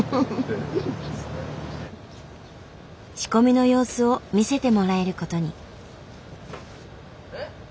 仕込みの様子を見せてもらえることに。